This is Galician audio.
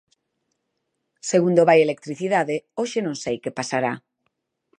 Segundo vai a electricidade, hoxe non sei que pasará.